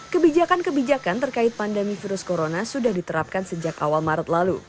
kebijakan kebijakan terkait pandemi virus corona sudah diterapkan sejak awal maret lalu